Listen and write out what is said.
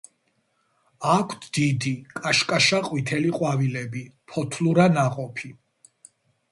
აქვთ დიდი, კაშკაშა ყვითელი ყვავილები, ფოთლურა ნაყოფი.